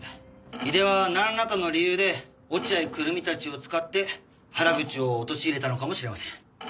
井出はなんらかの理由で落合久瑠実たちを使って原口を陥れたのかもしれません。